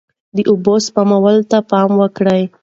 د اوبو سپمولو ته پام وکړئ.